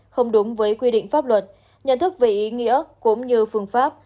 không đúng với quy định pháp luật nhận thức về ý nghĩa cũng như phương pháp